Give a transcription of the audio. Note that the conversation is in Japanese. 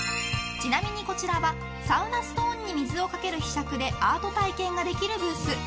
ちなみに、こちらはサウナストーンに水をかけるひしゃくでアート体験ができるブース。